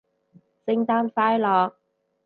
聖誕快樂